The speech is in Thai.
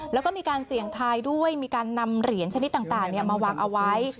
แล้วก็มีการเสี่ยงทายด้วยมีการนำเหรียญชนิดต่างมาวางเอาไว้